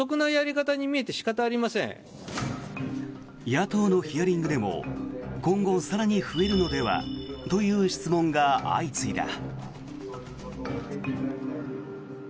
野党のヒアリングでも今後更に増えるのではという質問が相次いだ。